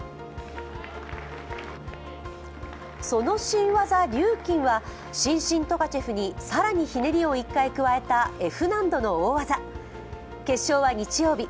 その新技、リューキンは伸身トカチェフに更にひねりを１回加えたＦ難度の大技、決勝は日曜日。